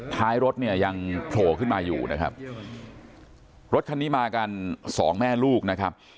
ท้ายรถเนี่ยยังโผล่ขึ้นมาอยู่นะครับรถคันนี้มากันสองแม่ลูกนะครับ